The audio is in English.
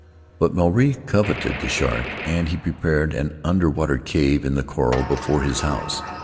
But Maruae coveted the shark, and he prepared an underwater cave in the coral before his house.